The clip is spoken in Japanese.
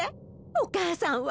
お母さんは。